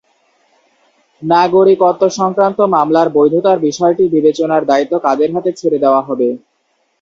নাগরিকত্বসংক্রান্ত মামলার বৈধতার বিষয়টি বিবেচনার দায়িত্ব কাদের হাতে ছেড়ে দেওয়া হবে?